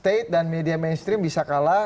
state dan media mainstream bisa kalah